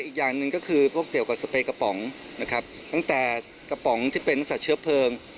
อีกอย่างหนึ่งก็คือพวกเกี่ยวกับสเปรกระป๋องนะครับตั้งแต่กระป๋องที่เป็นลักษณะเชื้อเพลิง